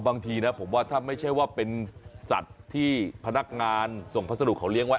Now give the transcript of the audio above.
บางทีนะผมว่าถ้าไม่ใช่ว่าเป็นสัตว์ที่พนักงานส่งพัสดุเขาเลี้ยงไว้